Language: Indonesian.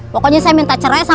pokoknya saya minta cerai sama